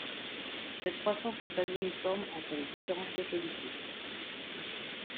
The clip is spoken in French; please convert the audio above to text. Cette croissance n'est pas uniforme entre les différentes localités.